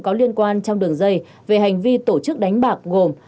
có liên quan trong đường dây về hành vi tổ chức đánh bạc gồm